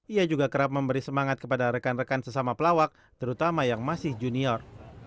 ia juga kerap memberi semangat kepada rekan rekan sesama pelawak terutama yang masih junior